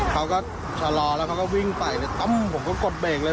เขาก็ชะลอแล้วเขาก็วิ่งไปเลยตั้มผมก็กดเบรกเลย